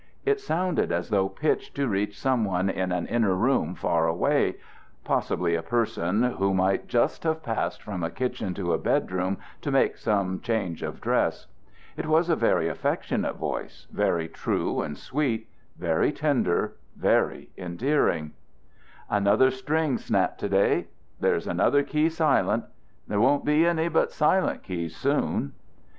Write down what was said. It sounded as though pitched to reach some one in an inner room farther away, possibly a person who might just have passed from a kitchen to a bedroom to make some change of dress. It was a very affectionate voice, very true and sweet, very tender, very endearing. "Another string snapped to day. There's another key silent. There won't be any but silent keys soon."